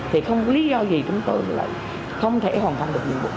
thì không có lý do gì chúng tôi lại không thể hoàn thành được nhiệm vụ